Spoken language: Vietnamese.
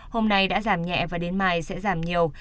hôm nay đã giảm nhẹ và đến mai sẽ giảm nhiều